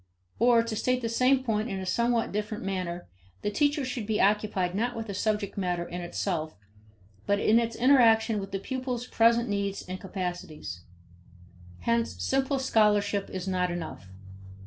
Or to state the same point in a somewhat different manner: the teacher should be occupied not with subject matter in itself but in its interaction with the pupils' present needs and capacities. Hence simple scholarship is not enough.